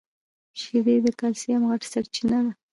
شیدې د کلیسم غټه سرچینه ده.